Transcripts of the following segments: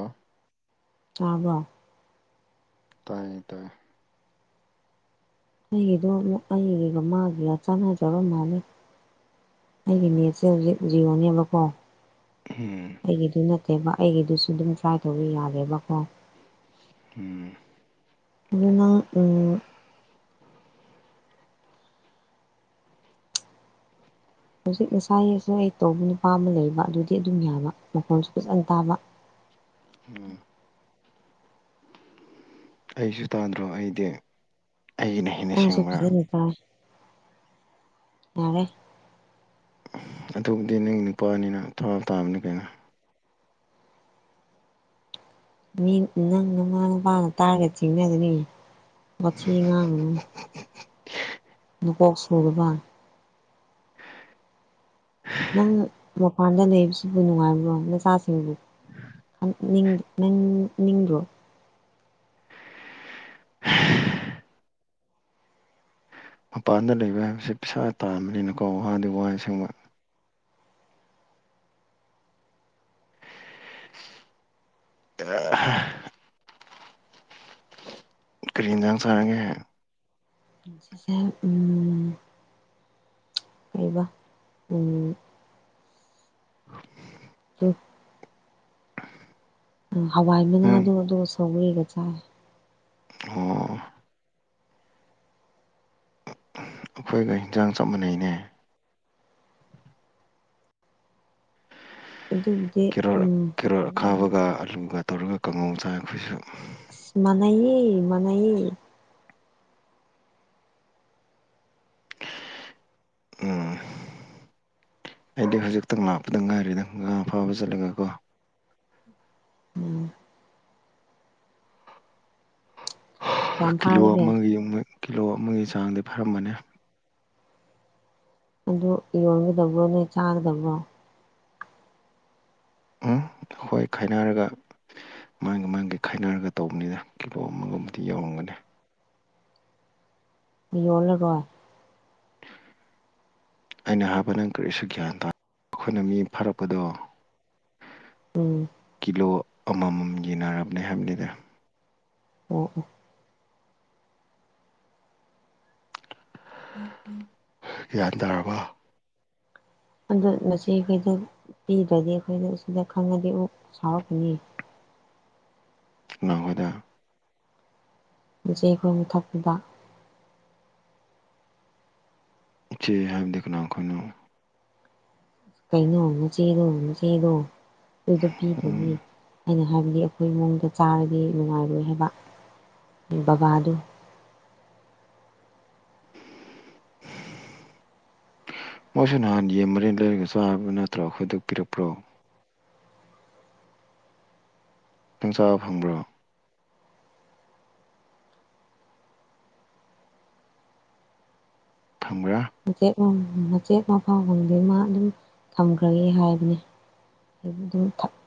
ꯑ [inaudible] ꯇꯥꯕ꯭ꯔꯣ ꯇꯥꯏꯌꯦ ꯇꯥꯏꯌꯦ ꯑꯩꯒꯤꯗꯣ ꯑꯩꯒꯤꯒ ꯃꯥꯒꯤꯒ ꯆꯥꯟꯅꯖꯔ ꯃꯥꯜꯂ ꯑꯩꯒꯤ ꯅꯦꯠꯁꯦ ꯍꯧꯖꯤꯛ ꯖꯤꯌꯣꯅꯦꯕꯀꯣ ꯎꯝ ꯑꯩꯒꯤꯗꯨ ꯅꯠꯇꯦꯕ ꯑꯩꯒꯤꯗꯨꯁꯨ ꯑꯗꯨꯝ ꯇ꯭ꯔꯥꯏ ꯇꯧꯕ ꯌꯥꯔꯦꯕꯀꯣ ꯎꯝ ꯑꯗꯨ ꯅꯪ ꯍꯧꯖꯤꯛ ꯅꯁꯥ ꯌꯦꯁ ꯑꯩ ꯇꯧꯕ ꯅꯨꯄꯥ ꯑꯃ ꯂꯩꯕ ꯑꯗꯨꯗꯤ ꯑꯗꯨꯝ ꯌꯥꯕ ꯃꯈꯣꯟꯁꯨ ꯐꯖꯅ ꯇꯥꯕ ꯎꯝ ꯑꯩꯁꯨ ꯇꯥꯟꯗ꯭ꯔꯣ ꯑꯩꯗꯤ ꯑꯩꯒꯤꯅꯦ ꯅꯪꯁꯨꯄꯠꯇꯦ ꯌꯥꯔꯦ ꯑꯗꯨꯕꯨꯗꯤ ꯅꯪ ꯅꯨꯄꯥꯅꯤꯅ ꯊꯋꯥ ꯇꯥꯕꯅꯤ ꯀꯩꯅꯣ ꯅꯪ ꯅꯨꯃꯥ ꯅꯨꯄꯥꯅ ꯇꯥꯔꯒꯦꯠ ꯆꯤꯡꯅꯒꯅꯤ ꯃꯣꯊꯤ ꯑꯉꯥꯡ ꯀꯣꯛ ꯁꯨꯗꯕ ꯅꯪ ꯃꯄꯥꯟꯗ ꯂꯩꯕꯁꯤꯕꯨ ꯅꯨꯡꯉꯥꯏꯕ꯭ꯔꯣ ꯅꯆꯥꯁꯤꯡꯕꯨ ꯕꯣ [inaudible] ꯃꯄꯥꯟꯗ ꯂꯩꯕ ꯍꯥꯏꯕꯁꯤꯦ ꯄꯩꯁꯥ ꯇꯥꯕꯅꯤꯅꯀꯣ ꯋꯥꯥꯗꯤ ꯋꯥ ꯑꯁꯦꯡꯕ [inaudible] ꯊꯔꯤ ꯌꯦꯟꯁꯥꯡ ꯆꯥꯔꯒꯦ ꯁꯤꯁ ꯎ [inaudible] ꯀꯩꯕ ꯎꯝ ꯎꯝ [inaudible] ꯑ ꯍꯋꯥꯏ ꯎꯝ ꯃꯅꯥꯗꯣ ꯑꯗꯨ ꯁꯧꯒꯔꯤꯒ ꯆꯥꯏ ꯑꯣ ꯑꯩꯈꯣꯏꯒ ꯍꯟꯖꯥꯡ ꯆꯞ ꯃꯥꯟꯅꯩꯅꯦ ꯑꯗꯨꯕꯨꯗꯤ ꯀꯦꯔꯣꯠ ꯎꯝ ꯀꯦꯔꯣꯠ ꯑꯈꯥꯕꯒ ꯑꯂꯨꯒ ꯇꯧꯔꯒ ꯀꯥꯡꯉꯧ ꯆꯥꯡ ꯑꯩꯈꯣꯏꯁꯨ ꯃꯅꯥꯏꯌꯦ ꯃꯅꯥꯏꯌꯦ ꯎꯝ ꯑꯩꯗꯤ ꯍꯧꯖꯤꯛꯇꯪ ꯂꯥꯛꯄꯗ ꯉꯥꯏꯔꯤꯗ ꯉꯥ ꯐꯥꯕ ꯆꯠꯂꯒ ꯀꯣ ꯎꯝ ꯀꯌꯥꯝ ꯀꯤꯂꯣ ꯐꯥꯔꯒꯦ ꯑꯃꯒꯤ ꯀꯤꯂꯣ ꯑꯃꯒꯤ ꯆꯥꯡꯗꯤ ꯐꯔꯝꯕꯅꯤ ꯑꯗꯨ ꯌꯣꯟꯒꯗꯕ꯭ꯔꯣ ꯅꯣꯏ ꯆꯥꯒꯗꯕ꯭ꯔꯣ ꯎꯝ ꯈꯣꯏ ꯈꯥꯏꯅꯔꯒ ꯃꯥꯡꯒ ꯃꯥꯡꯒꯦ ꯈꯥꯏꯅꯔꯒ ꯇꯧꯕꯅꯤꯅ ꯀꯤꯂꯣ ꯑꯃꯒꯕꯨꯗꯤ ꯌꯧꯔꯝꯒꯅꯤ ꯌꯣꯜꯂꯔꯣꯏ ꯑꯩꯅ ꯍꯥꯏꯕ ꯅꯪ ꯀꯔꯤꯁꯨ ꯒ꯭ꯌꯥꯟ ꯇꯥ ꯑꯩꯈꯣꯏꯅ ꯃꯤ ꯐꯥꯔꯛꯄꯗꯣ ꯎꯝ ꯀꯤꯂꯣ ꯑꯃꯃꯝ ꯌꯦꯟꯅꯔꯕꯅꯦ ꯍꯥꯏꯕꯅꯤꯗ ꯑꯣ ꯑꯣ ꯒ꯭ꯌꯥꯟ ꯇꯥꯔꯕ ꯑꯗꯣ ꯃꯁꯤ ꯀꯩꯗ ꯄꯤꯗ꯭ꯔꯗꯤ ꯑꯩꯈꯣꯏꯅ ꯁꯤꯗ ꯈꯪꯉꯗꯤ ꯑꯣꯛ ꯁꯥꯎꯔꯛꯀꯅꯤ ꯀꯅꯈꯣꯏꯗ ꯑꯦ ꯑꯩꯈꯣꯏ ꯃ ꯊꯛꯄꯗ [inaudible] ꯢꯆꯦ ꯍꯥꯏꯕꯗꯤ ꯀꯅꯥ ꯑꯩꯈꯣꯏꯅ ꯀꯩꯅꯣ ꯑꯃꯃ ꯆꯦꯔꯣ ꯑꯃ ꯆꯦꯔꯣ ꯑꯗꯨꯗ ꯄꯤꯗꯗꯒꯤ ꯎꯝ ꯑꯩꯅ ꯍꯥꯏꯕꯗꯤ ꯑꯩꯈꯣꯏ ꯏ ꯃꯑꯣꯡꯗ ꯆꯥꯔꯗꯤ ꯅꯨꯡꯉꯥꯏꯔꯣꯏ ꯍꯥꯏꯕ ꯕꯕꯥꯗꯨ ꯎꯝ [inaudible] ꯃꯣꯏꯁꯨ ꯅꯍꯥꯟ ꯌꯦꯟ ꯃꯔꯤꯟ ꯂꯩꯔꯒ ꯆꯥꯕ ꯅꯠꯇ꯭ꯔ ꯈꯣꯏꯗꯄꯤꯔꯛꯄ꯭ꯔꯣ ꯅꯪ ꯆꯥꯕ ꯐꯪꯕ꯭ꯔꯣ ꯐꯪꯕ꯭ꯔꯥ ꯃꯆꯦꯠ ꯃꯆꯦꯠ ꯃꯐꯥꯎꯒꯨꯝꯗꯤꯃ ꯑꯗꯨꯝ ꯊꯝꯈ꯭ꯔꯒꯦ ꯍꯥꯏꯕꯅꯤ ꯍꯥꯏꯕꯨꯗꯨ ꯊ [inaudible]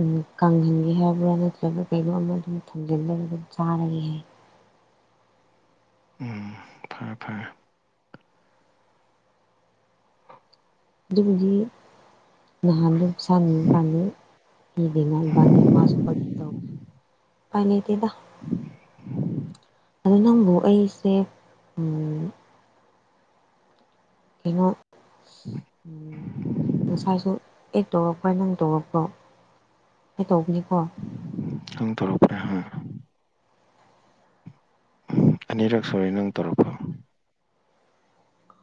ꯎ ꯀꯪꯍꯟꯒꯦ ꯍꯥꯏꯔꯕ꯭ꯔꯥ ꯅꯠꯇ꯭ꯔꯒ ꯀꯩꯅꯣꯝ ꯑꯗꯨꯝ ꯊꯝꯖꯤꯟꯂꯔꯒ ꯆꯥꯔꯒꯦ ꯍꯥꯏ ꯎꯝ ꯐꯔꯦ ꯐꯔꯦ ꯑꯗꯨꯕꯨꯗꯤ ꯅꯍꯥꯟ ꯁꯥꯟꯅꯤ ꯐꯅꯤ ꯍꯤꯗꯦꯉꯥꯏꯕꯥꯅꯤ ꯃꯥ ꯁꯕ ꯇꯧꯅ ꯎꯄꯥꯢ ꯂꯩꯇꯦꯗ ꯎ [inaudible] ꯑꯗ ꯅꯪꯕꯨ ꯑꯩꯁꯦ ꯀꯩꯅꯣ ꯃꯁꯥꯏꯁꯨ ꯑꯦ ꯇꯧꯔꯛꯄ ꯅꯪ ꯇꯧꯔꯛꯄꯣ ꯀ ꯇꯧꯕꯅꯤꯀꯣ ꯁꯪ ꯇꯔꯄꯔꯦ ꯍꯥ ꯑꯅꯤꯔꯛ ꯁꯨꯔꯦ ꯅꯪ ꯇꯧꯔꯛꯄ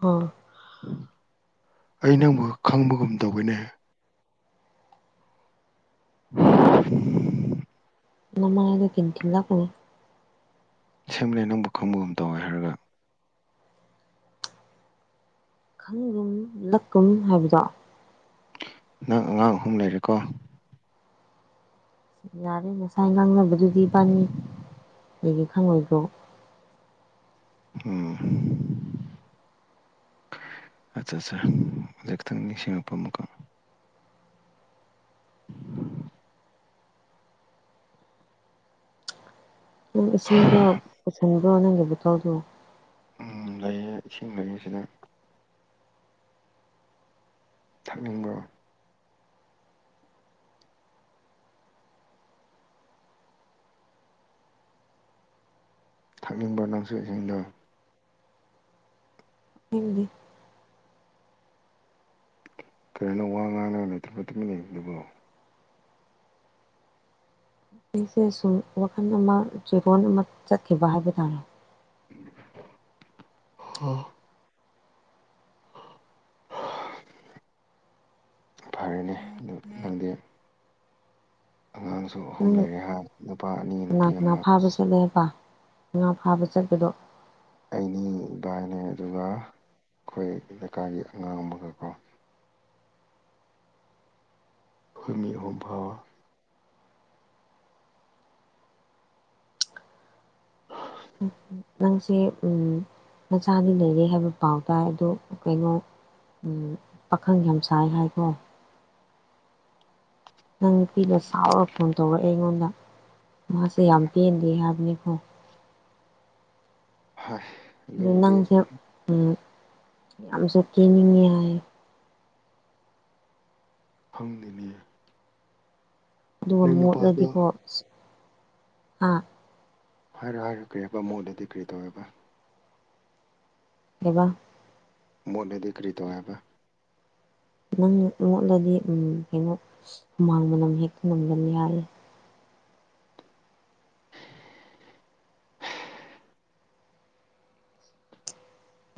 ꯑꯣ ꯑꯩ ꯅꯪꯕꯨ ꯈꯪꯕꯒꯨꯝ ꯇꯧꯕꯅꯦ [inaudible] ꯅꯃꯥꯏ ꯑꯗꯨ ꯄꯤꯟꯊ ꯂ ꯀꯣ ꯑꯁꯦꯝ ꯂꯩ ꯅꯪꯕꯨ ꯈꯪꯕꯒ ꯑꯃ ꯇꯧꯋꯦ ꯍꯥꯏꯔꯒ ꯈꯪꯒꯨꯝ ꯂꯛꯀꯨꯝ ꯍꯥꯏꯕꯗꯣ ꯅꯪ ꯑꯉꯥꯡ ꯑꯍꯨꯝ ꯂꯩꯔꯦꯀꯣ ꯌꯥꯔꯦ ꯉꯁꯥꯏ ꯉꯥꯡꯅꯕꯗꯨꯗꯤꯕꯥꯅꯤ ꯀꯒꯤ ꯈꯪꯉꯣꯏꯗꯣ ꯑꯝ ꯑꯠꯆꯥ ꯑꯠꯆꯥ ꯍꯧꯛ ꯈꯤꯇꯪ ꯅꯤꯡꯁꯤꯡꯉꯛꯄ ꯑꯃꯨꯛꯀ ꯅꯪ ꯏꯁꯤꯡꯗꯣ ꯄꯨꯁꯤꯟꯕ꯭ꯔꯣ ꯅꯪꯒꯤ ꯕꯨꯇꯧꯗꯣ ꯎ ꯂꯩꯌꯦ ꯏꯁꯤꯡ ꯂꯩꯌꯦꯁꯤꯗ ꯊꯛꯅꯤꯡꯕꯔꯣ ꯊꯛꯅꯤꯡꯕ ꯅꯨꯡꯆꯁꯤꯡꯗꯣ ꯍꯤꯟꯗꯤ ꯀꯔꯦꯅ ꯋꯥ ꯉꯥꯡꯉ ꯂꯩꯇ꯭ꯔꯕ ꯃꯇꯨꯡꯟꯅ ꯑꯗꯨꯒ ꯑꯩꯁꯦ ꯁꯨꯝ ꯋꯥꯈꯜ ꯑꯃ ꯆꯤꯔꯣꯟ ꯑꯃ ꯆꯠꯈꯤꯕ ꯍꯥꯏꯕ ꯇꯥꯔꯦ ꯍ [inaudible] ꯐꯔꯦꯅꯦ ꯑꯗꯨ ꯈꯪꯗꯤ ꯑꯉꯥꯡꯁꯨ ꯑꯍꯨꯝ ꯅꯪ ꯂꯩꯔꯦ ꯍꯥꯏꯍ ꯅꯨꯄꯥ ꯑꯅꯤ ꯀꯅꯥ ꯅꯨꯄꯤ ꯀꯅꯥ ꯑꯃ ꯐꯥꯕ ꯆꯠꯂꯦ ꯍꯥꯏꯕ ꯉꯥ ꯐꯥꯕ ꯆꯠꯄꯗꯣ ꯑꯩꯅꯤ ꯏꯕꯥꯅꯦ ꯑꯗꯨꯒ ꯑꯩꯈꯣꯏ ꯂꯩꯀꯥꯏꯒꯤ ꯑꯉꯥꯡ ꯑꯃꯒꯀꯣ ꯑꯩꯈꯣꯢ ꯃꯤ ꯑꯍꯨꯝ ꯎ [inaudible] ꯅꯪꯁꯦ ꯅꯆꯥꯗꯤ ꯂꯩꯔꯦ ꯍꯥꯏꯕ ꯄꯥꯎ ꯇꯥꯏ ꯑꯗꯨꯗꯣ ꯀꯩꯅꯣ ꯄꯥꯈꯪ ꯌꯥꯝꯁꯥꯏ ꯍꯥꯏꯗꯣ ꯅꯪ ꯅꯨꯄꯤꯅ ꯆꯥꯎꯔ ꯐꯣꯟ ꯇꯧꯔꯛꯑꯦ ꯑꯩꯉꯣꯟꯗ ꯃꯥꯁꯦ ꯌꯥꯝ ꯎꯝ ꯄꯦꯟꯗꯦ ꯍꯥꯏꯕꯅꯤꯀꯣ ꯍꯣꯏ ꯑꯗꯣ ꯅꯪꯁꯦ ꯌꯥꯝꯁꯨ ꯀꯦꯅꯤꯡꯉꯦ ꯍꯥꯏ ꯈꯪꯗꯦꯅꯦ ꯑꯗꯨꯒ ꯅꯪ ꯅꯨꯄꯥꯗꯣ ꯃꯣꯠꯂꯗꯤꯀꯣ ꯑꯥ ꯍꯥꯏꯔꯣ ꯍꯥꯏꯔꯣ ꯀꯔꯤ ꯍꯥꯏꯕ ꯃꯣꯏꯗꯗꯤ ꯀꯔꯤ ꯇꯧꯋꯦꯕ ꯑꯦꯕ [inaudible] ꯃꯣꯠꯅꯗꯤ ꯀꯔꯤ ꯇꯧ ꯍꯥꯏꯕ ꯅꯪ ꯃꯣꯠꯂꯗꯤ ꯀꯩꯅꯣ ꯍꯨꯃꯥꯡ ꯃꯅꯝ ꯍꯦꯛꯇ ꯉꯝꯒꯟ ꯌꯥꯏ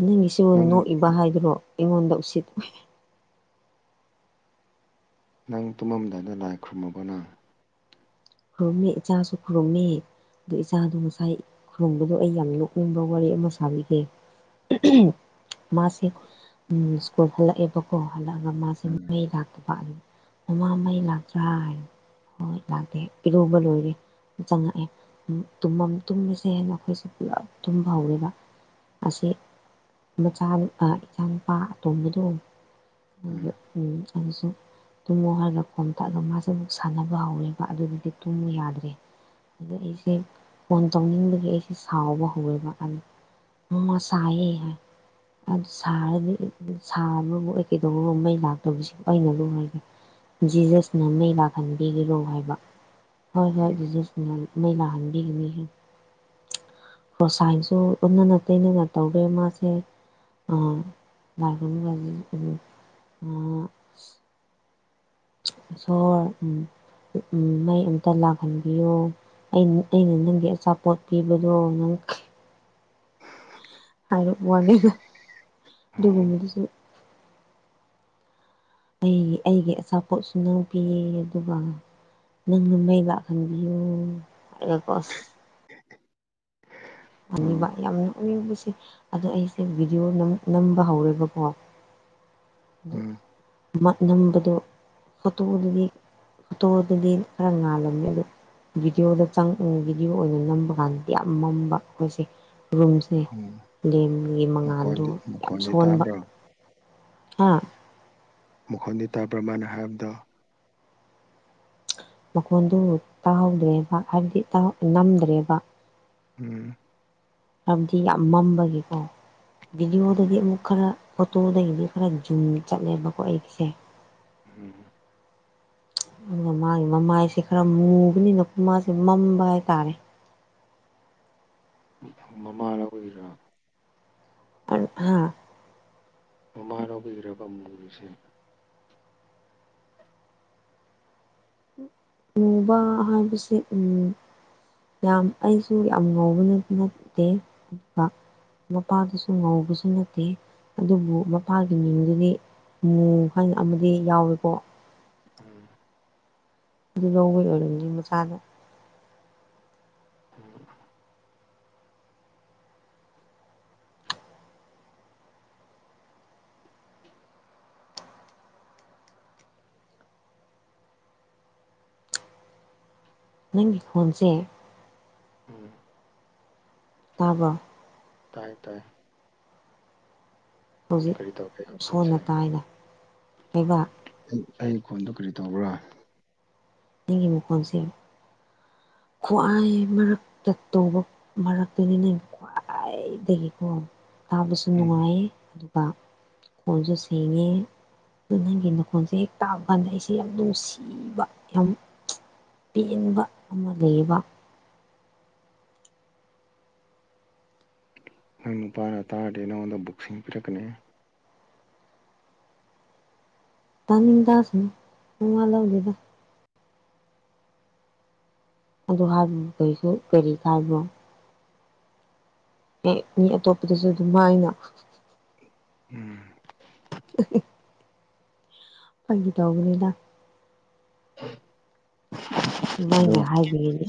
ꯅꯪꯒꯤꯁꯨ ꯅꯪ ꯅꯣꯛꯏꯕ ꯍꯥꯏꯗꯨꯔꯣ ꯑꯩꯉꯣꯟꯗ ꯎꯁꯤꯠ ꯎ ꯅꯪ ꯇꯨꯝꯃꯝꯗꯥꯏꯗ ꯂꯥꯏ ꯈꯨꯔꯨꯝꯃꯕꯅ ꯈꯨꯔꯨꯝꯅꯤ ꯏꯆꯥꯁꯨ ꯈꯨꯔꯨꯝꯅꯤ ꯑꯗꯨ ꯏꯆꯥꯗꯣ ꯉꯁꯥꯏ ꯈꯨꯔꯨꯝꯕꯗꯣ ꯑꯩ ꯌꯥꯝ ꯅꯣꯛꯅꯤꯡꯕ ꯋꯥꯔꯤ ꯑꯃ ꯁꯥꯕꯤꯒꯦ [inaudible] ꯃꯥꯁꯦ ꯎꯝ ꯁ꯭ꯀꯨꯜ ꯍꯜꯂꯛꯑꯦꯕꯀꯣ ꯍꯜꯂꯛꯑꯒ ꯃꯥꯁꯦ ꯎꯝ ꯃꯩ ꯂꯥꯛꯇꯕ ꯑꯗꯨ ꯃꯃꯥ ꯃꯩ ꯂꯥꯛꯇ꯭ꯔꯥ ꯍꯥꯏ ꯍꯣꯏ ꯂꯥꯛꯇꯦ ꯀꯩꯗꯧꯕ ꯂꯣꯏꯔꯦ ꯆꯪꯉꯛꯑꯦ ꯎꯝ ꯇꯨꯃꯝ ꯇꯨꯝꯁꯦ ꯍꯥꯏꯅ ꯑꯩꯈꯣꯏꯁꯦ ꯄꯨꯂꯞ ꯇꯨꯝꯕ ꯍꯧꯔꯦꯕ ꯃꯥꯁꯦ ꯃꯆꯥꯅꯨ ꯏꯆꯥꯅꯨꯨꯄꯥ ꯑꯇꯣꯝꯕꯗꯣ [inaudible] ꯎꯝ ꯑꯗꯨꯁꯨ ꯇꯨꯝꯃꯣ ꯍꯥꯏꯅ ꯈꯣꯝ ꯊꯛꯑꯒ ꯃꯥꯁꯦ ꯑꯃꯨꯛ ꯁꯥꯟꯅꯕ ꯍꯧꯔꯦꯕ ꯑꯗꯨꯗꯗꯤ ꯇꯨꯝꯃꯨ ꯌꯥꯗ꯭ꯔꯦ ꯑꯗ ꯑꯩꯁꯦ ꯐꯣꯟ ꯇꯧꯅꯤꯡꯕꯒꯤ ꯑꯩꯁꯦ ꯁꯥꯎꯕ ꯍꯧꯋꯦꯕ ꯑꯟ ꯃ ꯁꯥꯏꯌꯦ ꯍꯪ ꯁꯕꯥꯁꯤꯕꯨ ꯑꯩꯅꯔꯣ ꯃꯩ ꯂꯥꯛꯇꯕꯁꯤꯕꯨ ꯖꯤꯖꯁꯅ ꯃꯩ ꯂꯥꯛꯍꯟꯕꯤꯒꯅꯣ ꯍꯥꯏꯕ ꯍꯣꯏ ꯍꯣꯏ ꯎꯝ ꯖꯤꯖꯁꯅ ꯃꯩ ꯂꯥꯛꯍꯟꯕꯤꯒꯅꯤ ꯍꯣ ꯁꯥꯏꯁꯨ ꯑꯣꯟꯅꯅ ꯇꯩꯅꯅ ꯇꯧꯕꯒꯤ ꯃꯥꯁꯦ [inaudible] ꯏꯁꯣꯔ ꯎꯝ ꯃꯩ ꯑꯃꯝꯇ ꯂꯥꯛꯍꯟꯕꯤꯌꯣ ꯑꯩꯅ ꯑꯩꯅ ꯅꯪꯒꯤ ꯑꯆꯥꯄꯣꯠ ꯄꯤꯕꯗꯣ ꯅꯪ ꯍꯥꯏꯔꯛ ꯋꯥꯅꯤꯒ ꯑꯣ ꯑꯗꯨꯒꯨꯝꯕꯗꯨꯁꯨ ꯑꯩꯒꯤ ꯑꯩꯒꯤ ꯑꯆꯥꯄꯣꯠꯁꯨ ꯅꯪ ꯄꯤꯌꯦ ꯑꯗꯨꯒ ꯅꯪꯅ ꯃꯩ ꯂꯥꯛꯍꯟꯕꯤꯌꯣ ꯍꯥꯏꯔꯛꯄ ꯑꯁ [inaudible] ꯑꯩꯅ ꯌꯥꯝ ꯌꯥꯝ ꯎꯅꯤꯡꯕꯁꯦ ꯑꯗꯣ ꯑꯩꯁꯦ ꯚꯤꯗꯤꯑꯣ ꯅꯝ ꯅꯝꯕ ꯍꯧꯔꯦꯕꯀꯣ ꯑꯗꯨ ꯎꯝ ꯚ꯭ꯂꯣꯛ ꯅꯝꯕꯗꯣ ꯐꯣꯇꯣꯗꯨꯗꯤ ꯐꯣꯇꯣꯗꯨꯗꯤ ꯈꯔ ꯉꯥꯜꯂꯝꯃꯦꯕ ꯚꯤꯗꯤꯌꯣꯗ ꯆꯪ ꯎꯪ ꯚꯤꯗꯤꯌꯣ ꯑꯣꯏꯅ ꯅꯝꯕ ꯀꯥꯟꯗꯗꯤ ꯌꯥꯝ ꯃꯝꯕ ꯑꯩꯈꯣꯏꯁꯦ ꯔꯨꯝꯁ ꯎꯝ ꯑꯗꯨꯏ ꯂꯦꯝ ꯃꯉꯥꯜꯗꯣ ꯃꯈꯣꯟꯗꯤ ꯌꯥꯝ ꯃꯈꯣꯟꯗꯤ ꯁꯣꯟꯕ ꯇꯥꯕ꯭ꯔꯣ ꯍꯥ ꯃꯈꯣꯟꯗꯤ ꯇꯥꯕ꯭ꯔ ꯃꯥꯅ ꯍꯥꯏꯔꯝꯗꯣ ꯃꯈꯣꯟꯗꯨ ꯇꯥꯍꯧꯗ꯭ꯔꯦꯕ ꯍꯥꯏꯕꯗꯤ ꯇꯥ ꯅꯝꯗ꯭ꯔꯦꯕ ꯎꯝ ꯍꯥꯏꯕꯗꯤ ꯌꯥꯝ ꯃꯝꯕꯒꯤꯀꯣ ꯎꯝ ꯚꯤꯗꯤꯑꯣꯗꯗꯤ ꯑꯃꯨꯛ ꯈꯔ ꯐꯣꯇꯣꯗꯒꯤꯗꯤ ꯈꯔ ꯖꯨꯝ ꯆꯠꯂꯦꯕꯀꯣ ꯑꯩꯒꯤꯁꯦ ꯎꯝ ꯃꯥꯒꯤ ꯃꯃꯥꯏꯁꯦ ꯈꯔ ꯃꯨꯕꯅꯤꯅ ꯃꯥꯁꯦ ꯃꯝꯕ ꯍꯥꯏꯇꯥꯔꯦ ꯃꯃꯥ ꯂꯧꯋꯤꯔꯣ ꯑꯣ ꯍꯥ ꯃꯃꯥ ꯂꯧꯕꯒꯤꯔꯕ ꯃꯨꯔꯤꯁꯦ ꯃꯨꯕ ꯍꯥꯏꯕꯁꯦ ꯎꯝ ꯌꯥꯝ ꯑꯩꯁꯨ ꯌꯥꯝ ꯉꯧꯕꯗꯤ ꯅꯠꯇꯦ ꯗꯥ ꯃꯄꯥꯗꯨꯁꯨ ꯉꯧꯕꯁꯨ ꯅꯠꯇꯦ ꯑꯗꯨꯕꯨ ꯃꯄꯥꯒꯤ ꯃꯤꯡꯗꯨꯗꯤ ꯃꯨ ꯍꯥꯏꯅ ꯑꯃꯗꯤ ꯌꯥꯎꯋꯤꯀꯣ ꯎꯝ ꯑꯗꯨ ꯂꯧꯕꯩ ꯑꯣꯏꯔꯝꯅꯤ ꯃꯆꯥꯗꯣ [unintelligible] ꯅꯪꯒꯤ ꯐꯣꯟꯁꯦ ꯎꯝ ꯇꯥꯕ꯭ꯔꯣ ꯇꯥꯏꯌꯦ ꯇꯥꯏꯌꯦ ꯍꯧꯖꯤꯛ ꯀꯔꯤ ꯇꯧꯒꯦ ꯑꯩ ꯈꯣꯟꯁꯦ ꯁꯣꯟꯅ ꯇꯥꯏꯅ ꯂꯩꯕꯥꯛ ꯑꯩ ꯐꯣꯟꯗꯨꯣ ꯀꯔꯤ ꯇꯧꯕ꯭ꯔꯥ ꯅꯪꯒꯤ ꯃꯈꯣꯟꯁꯤ ꯈ꯭ꯋꯥꯏ ꯃꯔꯛꯇ ꯇꯧꯕ ꯃꯔꯛꯇꯅꯤꯅꯦ ꯈ꯭ꯏꯗꯒꯤꯀꯣ ꯇꯥꯕꯁꯨ ꯎꯝ ꯅꯨꯡꯉꯥꯏꯌꯦ ꯑꯗꯨ ꯈꯣꯡꯁꯨ ꯁꯦꯡꯉꯤ ꯗꯣ ꯅꯪꯒꯤ ꯅꯈꯣꯟꯁꯦ ꯇꯥꯕ ꯀꯥꯟꯗ ꯑꯩꯁꯦ ꯌꯥꯝ ꯅꯨꯡꯁꯤꯕ ꯌꯥꯝ ꯄꯦꯟꯕ ꯑꯃ ꯂꯩꯕ ꯅꯪꯨ ꯄꯥꯔꯥ ꯇꯥꯗꯦꯅꯎꯗ ꯕꯨꯛꯁꯤꯡ ꯄꯤꯔꯛꯅꯦ ꯇꯥꯅꯤꯡ ꯇꯁꯤꯅ ꯅꯉꯜ ꯂꯧꯗꯨꯦꯗ ꯑꯗꯨ ꯍꯥꯏꯕ ꯀꯔꯤꯁꯨ ꯀꯔꯤ ꯀꯥꯏꯕꯅꯣ ꯑꯦ ꯃꯤ ꯑꯇꯣꯞꯄꯗꯁꯨ ꯑꯗꯨꯝ ꯍꯥꯏꯅ ꯎꯝ ꯎ [inaudible] ꯐꯪꯒꯤ ꯇꯧꯈ꯭ꯔꯅꯤꯗ ꯎ [inaudible] ꯑꯗꯣ ꯑꯗꯨꯃꯥꯏꯅ ꯍꯥꯏꯕꯤꯔꯗꯤ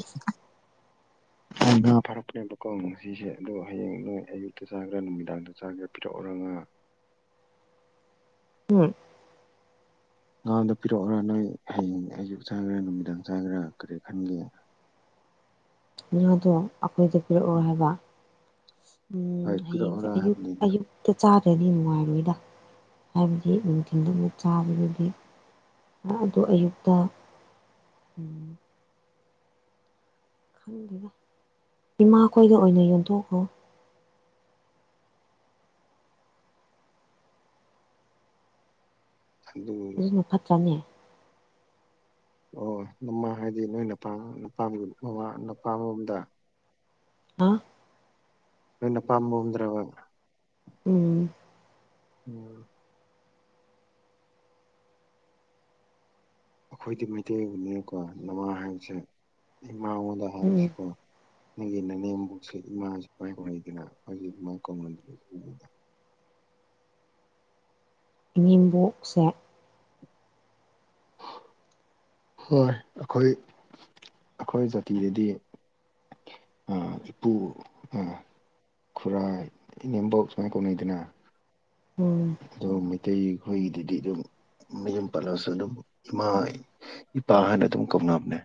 [unintelligible] ꯉꯥ ꯐꯥꯔꯛꯄꯅꯦꯕꯀꯣ ꯉꯁꯤꯁꯦ ꯑꯗꯣ ꯍꯌꯦꯡ ꯅꯣꯏ ꯑꯌꯨꯛꯇ ꯆꯥꯈ꯭ꯔꯥ ꯅꯨꯃꯤꯗꯥꯡꯗ ꯆꯥꯒ꯭ꯔꯥ ꯄꯤꯔꯛꯎꯔꯒꯥ ꯎꯝ [inaudible] ꯑꯉꯥꯡꯗꯣ ꯄꯤꯔꯛꯎꯔꯥ ꯅꯣꯏ ꯍꯌꯦꯡ ꯑꯌꯨꯛ ꯆꯥꯈꯦꯔꯥ ꯅꯨꯃꯤꯗꯥꯡ ꯆꯥꯈꯦꯔꯥ ꯀꯔꯤ ꯈꯟꯒꯦ ꯉꯥꯗꯣ ꯑꯩꯈꯣꯏꯗ ꯄꯤꯔꯛꯑꯣ ꯍꯥꯏꯕ ꯎ ꯍꯣꯏ ꯍꯌꯦꯡꯁꯦ ꯄꯤꯔꯛꯑꯣꯔ ꯑꯌꯨꯛ ꯍꯥꯏꯕꯅꯤꯗ ꯑꯌꯨꯛ ꯍ ꯆꯥꯗ꯭ꯔꯗꯤ ꯅꯨꯡꯉꯥꯏꯔꯣꯏꯗ ꯍꯥꯏꯕꯗꯤ ꯅꯨꯡꯊꯤꯟꯜꯗꯨꯕꯨ ꯆꯥꯕꯗꯨꯗꯤ ꯑꯗꯨ ꯑꯌꯨꯛꯇ ꯎ ꯈꯦꯗ ꯏꯃꯥꯈꯣꯏꯗ ꯑꯣꯏꯅ ꯌꯣꯟꯊꯣꯛꯈꯣ ꯑꯗꯨ ꯔꯔꯤꯅꯨ ꯄꯇ꯭ꯔꯥꯅꯦ ꯑꯣ ꯃꯃꯥ ꯍꯥꯏꯗꯤ ꯅꯣꯏꯄꯥꯄꯥ ꯃꯃꯥ ꯅꯨꯄꯥ ꯑꯃꯃꯝꯗ ꯍꯥ ꯅꯄꯝꯕꯝꯗ꯭ꯔꯕ ꯎꯝ ꯎꯝ ꯑꯩꯈꯣꯏꯗꯤ ꯃꯩꯇꯩꯕꯨꯅꯤꯅꯀꯣ ꯅꯃꯥ ꯍꯥꯏꯕꯁꯦ ꯏꯃꯥꯉꯣꯟꯗ ꯎꯝ ꯍꯥꯏꯕꯁꯦꯀꯣ ꯅꯪꯒꯤ ꯅꯅꯦꯦꯝꯃꯨꯛꯁꯨ ꯏꯃꯥꯁꯨ ꯀꯥꯏꯍꯧꯩꯗꯅ ꯑꯩꯁ ꯑꯗꯨꯃꯥꯏꯅ ꯀꯧꯅꯗꯕꯗ ꯏꯃꯦꯝꯕꯣꯛꯁꯦ ꯍꯣꯏ ꯑꯩꯈꯣꯏ ꯑꯩꯈꯣꯏ ꯖꯥꯇꯤꯗꯗꯤ ꯑ ꯄꯨ ꯑ [inaudible] ꯈꯨꯔꯥꯏ ꯏꯅꯦꯝꯕꯣꯛ ꯁꯨꯃꯥꯏꯅ ꯀꯧꯅꯩꯗꯅ ꯎꯝ ꯑꯗꯣ ꯃꯩꯇꯩꯈꯣꯏꯒꯤꯗꯗꯤ ꯑꯗꯨꯝ ꯃꯌꯨꯝ ꯄꯜꯂꯕꯁꯨ ꯑꯗꯨꯝ ꯏꯃꯥ ꯏꯄꯥ ꯍꯥꯏꯅ ꯑꯗꯨꯝ ꯀꯧꯅꯕꯅꯦ